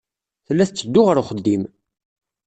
Tella tetteddu ɣer uxeddim.